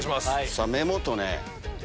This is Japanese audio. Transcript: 目元ね。